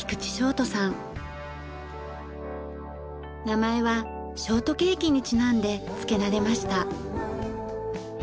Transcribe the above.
名前はショートケーキにちなんで付けられました。